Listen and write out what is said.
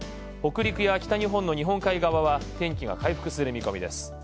北陸や北日本の日本海側は天気が回復する見込みです。